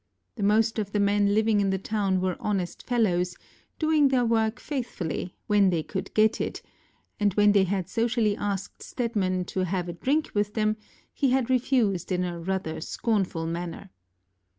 The most of the men living in the town were honest fellows, doing their work faithfully, when they could get it, and when they had socially asked Stedman to have a drink with them, he had refused in rather a scornful manner.